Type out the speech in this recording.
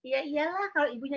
ya iyalah kalau ibunya